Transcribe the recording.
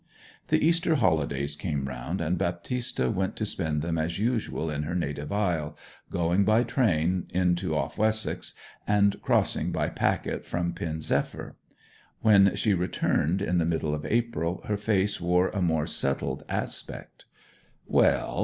The Easter holidays came round, and Baptista went to spend them as usual in her native isle, going by train into Off Wessex and crossing by packet from Pen zephyr. When she returned in the middle of April her face wore a more settled aspect. 'Well?'